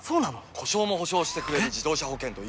故障も補償してくれる自動車保険といえば？